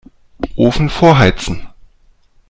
Ofen vorheizen.